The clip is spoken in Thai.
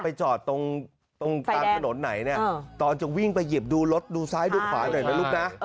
ไปจอดตรงตามถนนไหนเนี่ยตอนจะวิ่งไปหยิบดูรถดูซ้ายดูขวาหน่อยนะลูกนะ